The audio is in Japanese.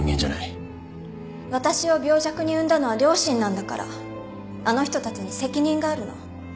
私を病弱に生んだのは両親なんだからあの人たちに責任があるの